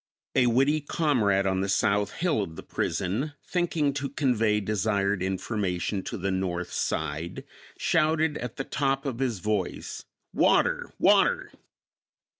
A witty comrade on the south hill of the prison, thinking to convey desired information to the north side, shouted at the top of his voice, "Water! Water!"